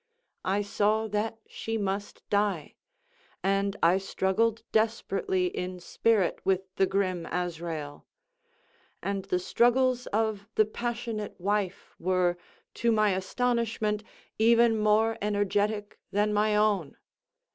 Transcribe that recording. I saw that she must die—and I struggled desperately in spirit with the grim Azrael. And the struggles of the passionate wife were, to my astonishment, even more energetic than my own.